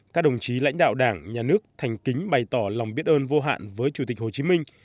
các đồng chí lãnh đạo đảng nhà nước thành kính bày tỏ lòng biết ơn vô hạn với chủ tịch hồ chí minh